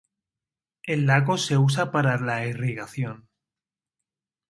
El lago se usa para la irrigación.